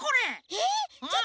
えっ！？